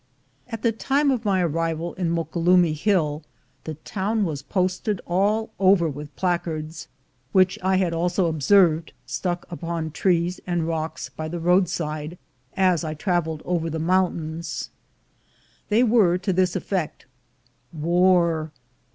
At the time of my arrival in Moquelumne Hill, the town was posted all over with placards, which I had also observed stuck upon trees and rocks by the road side as I traveled over the mountains. They were to this effect: — "War!